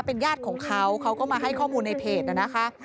เป็นญาติของเขาเขาก็มาให้ข้อมูลในเพจนะคะ